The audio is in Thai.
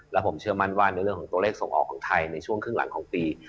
และผมเชื่อมั่นว่าในเรื่องของตัวเลขส่งออกของไทยในช่วงครึ่งหลังของปี